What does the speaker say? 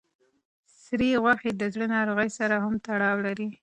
سرې غوښې د زړه ناروغۍ سره هم تړاو لري.